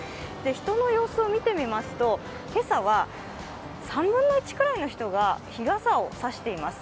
人の様子を見てみますと、今朝は３分の１ぐらいの人が日傘を差しています。